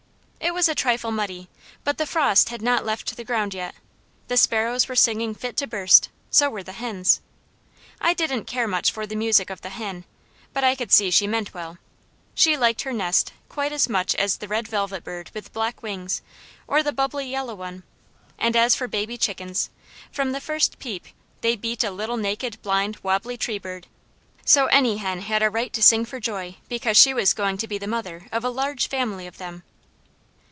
It was a trifle muddy, but the frost had not left the ground yet, the sparrows were singing fit to burst, so were the hens. I didn't care much for the music of the hen, but I could see she meant well. She liked her nest quite as much as the red velvet bird with black wings, or the bubbly yellow one, and as for baby chickens, from the first peep they beat a little naked, blind, wobbly tree bird, so any hen had a right to sing for joy because she was going to be the mother of a large family of them. A hen had something was going to be the mother of a large family of them.